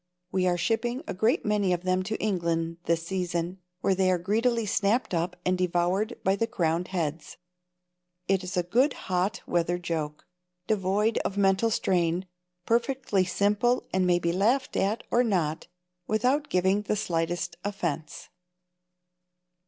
We are shipping a great many of them to England this season, where they are greedily snapped up and devoured by the crowned heads. It is a good hot weather joke, devoid of mental strain, perfectly simple and may be laughed at or not without giving the slightest offense.